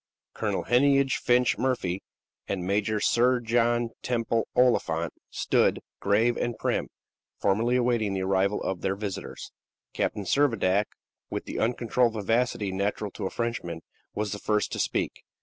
Colonel Heneage Finch Murphy and Major Sir John Temple Oliphant stood, grave and prim, formally awaiting the arrival of their visitors. Captain Servadac, with the uncontrolled vivacity natural to a Frenchman, was the first to speak.